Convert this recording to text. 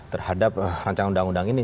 terhadap rancangan undang undang ini